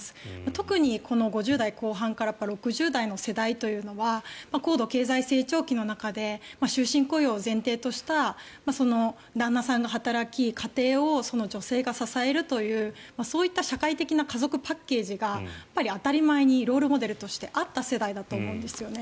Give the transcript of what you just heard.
特にこの５０代後半から６０代の世代というのは高度経済成長期の中で終身雇用を前提とした旦那さんが働き家庭を女性が支えるというそういった社会的な家族パッケージが当たり前にロールモデルとしてあった世代だと思うんですよね。